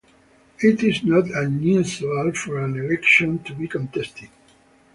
It is not unusual for an election to be contested.